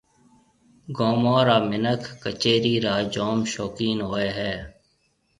گومون را مِنک ڪچيرِي را جام شوقين ھوئيَ ھيََََ